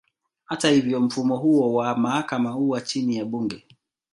Hata hivyo, mfumo huo wa mahakama huwa chini ya bunge.